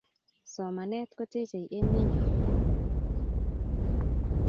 Somanet ko techei emet nyoo